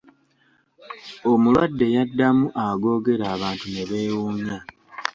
Omulwadde yaddamu agoogera abantu ne beewunya.